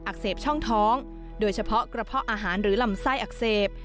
อักเสบช่องท้องโดยเฉพาะกระเพาะอาหารหรือลำไส้อักเสบ